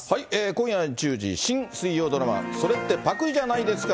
今夜１０時、新水曜ドラマ、それってパクリじゃないですか？